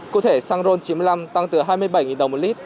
cụ thể xăng ron chín mươi năm tăng từ hai mươi bảy đồng một lít